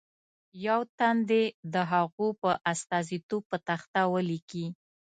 یو تن دې د هغو په استازیتوب په تخته ولیکي.